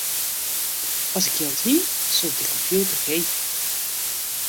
As ik jild hie, soe ik dy kompjûter keapje.